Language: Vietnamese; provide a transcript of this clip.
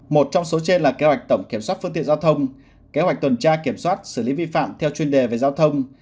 một trong số trên là kế hoạch tổng kiểm soát phương tiện giao thông kế hoạch tuần tra kiểm soát xử lý vi phạm theo chuyên đề về giao thông